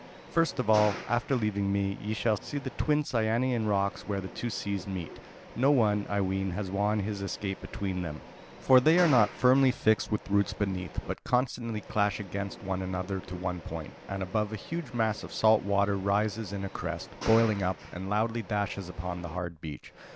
"First of all, after leaving me, ye will see the twin Cyanean rocks where the two seas meet. No one, I ween, has won his escape between them. For they are not firmly fixed with roots beneath, but constantly clash against one another to one point, and above a huge mass of salt water rises in a crest, boiling up, and loudly dashes upon the hard beach.